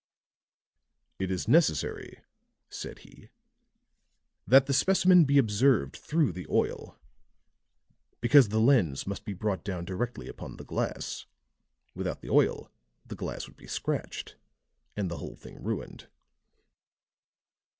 "It is necessary," said he, "that the specimen be observed through the oil because the lens must be brought down directly upon the glass; without the oil the glass would be scratched and the whole thing ruined."